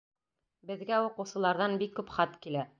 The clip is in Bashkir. Беҙгә уҡыусыларҙан бик күп хат килә.